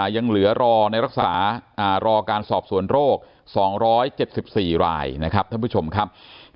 ยังเหลือรอในรักษารอการสอบสวนโรค๒๗๔รายนะครับท่านผู้ชมครับ